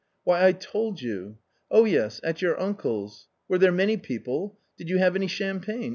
" Why, I told you " "Oh, yes, at your uncle's. Were there many people? Did you have any champagne